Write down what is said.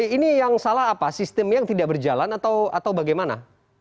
ini yang salah apa sistem yang tidak berjalan atau bagaimana